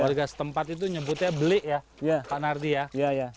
warga setempat itu nyebutnya belik ya pak nardi ya